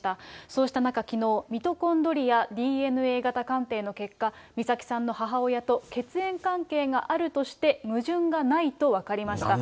そうした中、きのう、ミトコンドリアＤＮＡ型鑑定の結果、美咲さんの母親と血縁関係があるとして矛盾がないと分かりました。